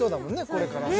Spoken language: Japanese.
これからね